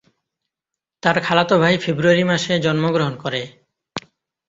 তার খালাতো ভাই ফেব্রুয়ারি মাসে জন্মগ্রহণ করে।